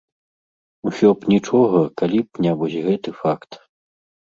Усё б нічога, калі б не вось гэты факт.